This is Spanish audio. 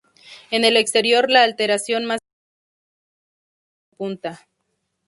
En el exterior la alteración más significativa fue el tejado en punta.